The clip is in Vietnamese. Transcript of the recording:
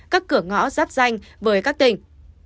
các cửa ngõ rắp danh với các tỉnh